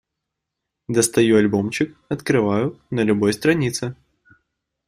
Достаю альбомчик, открываю — на любой странице.